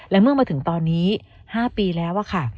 และเมื่อมาถึงตอนนี้๕ปีแล้วค่ะ